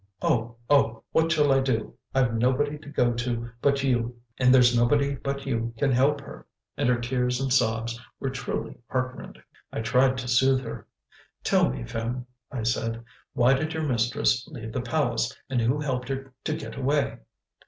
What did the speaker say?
Oh! oh! what shall I do! I've nobody to go to but you, and there's nobody but you can help her!" And her tears and sobs were truly heart rending. I tried to soothe her. "Tell me, Phim," I said, "why did your mistress leave the palace, and who helped her to get away?"